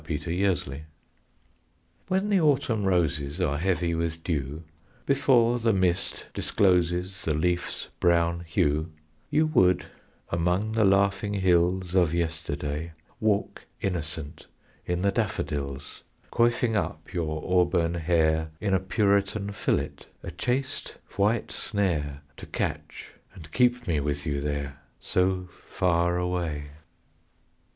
SONG DAY IN AUTUMN When the autumn roses Are heavy with dew, Before the mist discloses The leaf's brown hue, You would, among the laughing hills Of yesterday Walk innocent in the daffodils, Coiffing up your auburn hair In a puritan fillet, a chaste white snare To catch and keep me with you there So far away.